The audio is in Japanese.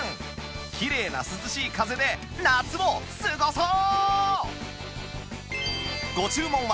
きれいな涼しい風で夏を過ごそう！